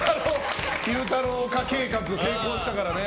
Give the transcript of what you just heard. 昼太郎化計画成功したからね。